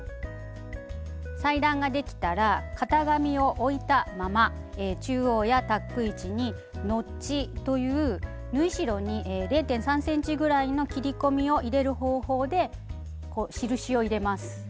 裁断ができたら型紙を置いたまま中央やタック位置に「ノッチ」という縫い代に０．３ｃｍぐらいの切り込みを入れる方法で印を入れます。